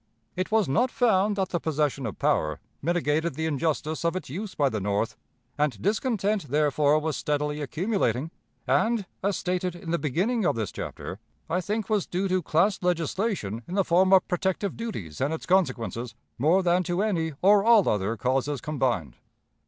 It was not found that the possession of power mitigated the injustice of its use by the North, and discontent therefore was steadily accumulating, and, as stated in the beginning of this chapter, I think was due to class legislation in the form of protective duties and its consequences more than to any or all other causes combined.